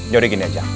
yaudah gini aja